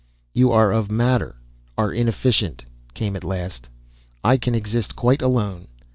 "You, of matter, are inefficient," came at last. "I can exist quite alone."